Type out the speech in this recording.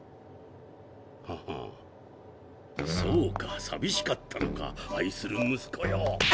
ははんそうかさびしかったのか愛する息子よ！